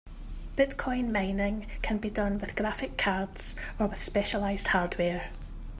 Bitcoin mining can be done with graphic cards or with specialized hardware.